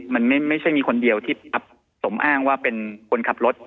มันไม่ใช่มีคนเดียวที่สมอ้างว่าเป็นคนขับรถ